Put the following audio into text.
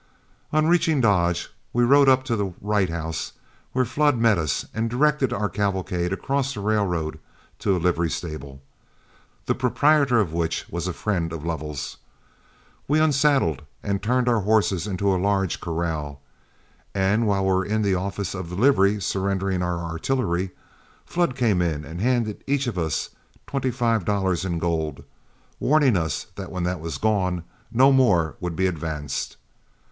On reaching Dodge, we rode up to the Wright House, where Flood met us and directed our cavalcade across the railroad to a livery stable, the proprietor of which was a friend of Lovell's. We unsaddled and turned our horses into a large corral, and while we were in the office of the livery, surrendering our artillery, Flood came in and handed each of us twenty five dollars in gold, warning us that when that was gone no more would be advanced.